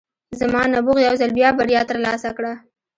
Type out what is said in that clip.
زما نبوغ یو ځل بیا بریا ترلاسه کړه